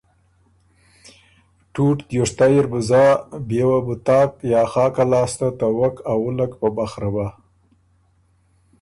ټُوټ دیوشتئ اِر بُو زا بيې وه بو تاک یا خاکه لاسته ته وک ا وُلّک په بخره بَۀ